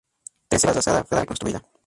Tras ser arrasada, fue reconstruida.